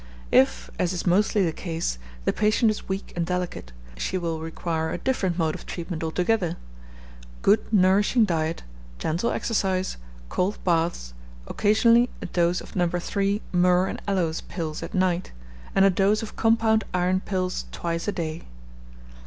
If, as is mostly the case, the patient is weak and delicate, she will require a different mode of treatment altogether. Good nourishing diet, gentle exercise, cold baths, occasionally a dose of No. 3 myrrh and aloes pills at night, and a dose of compound iron pills twice a day.